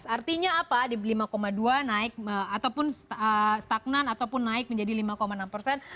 artinya apa di lima dua naik ataupun stagnan ataupun naik menjadi lima enam persen